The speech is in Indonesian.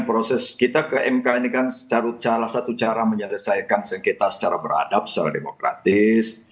proses kita ke mk ini kan salah satu cara menyelesaikan sengketa secara beradab secara demokratis